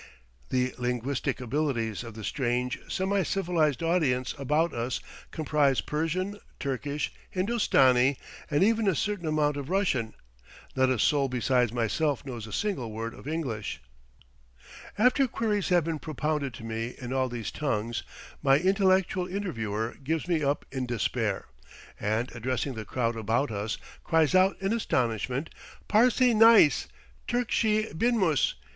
The linguistic abilities of the strange, semi civilized audience about us comprise Persian, Turkish, Hindostani, and even a certain amount of Russian; not a soul besides myself knows a single word of English. After queries have been propounded to me in all these tongues, my intellectual interviewer gives me up in despair, and, addressing the crowd about us, cries out in astonishment: "Parsee neis! Turkchi binmus!